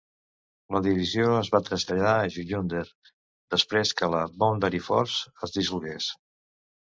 La Divisió es va traslladar a Jullunder després que la Boundary Force es dissolgués.